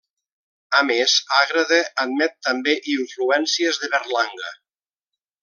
A més, Ágreda admet també influències de Berlanga.